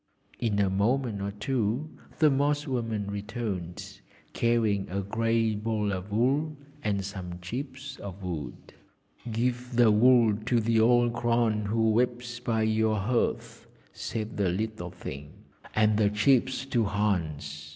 In a moment or two the Moss woman returned, carrying a grey ball of wool and some chips of wood. 'Give the wool to the old crone who weeps by your hearth,' said the little thing, 'and the chips to Hans.